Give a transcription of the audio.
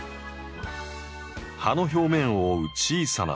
葉の表面を覆う小さなスポット。